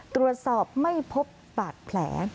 ตรวจสอบไม่พบบาดแผล